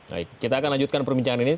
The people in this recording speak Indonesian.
baik kita akan lanjutkan perbincangan ini